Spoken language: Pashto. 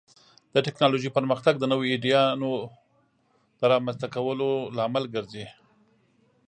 د ټکنالوژۍ پرمختګ د نوو ایډیازو د رامنځته کولو لامل ګرځي.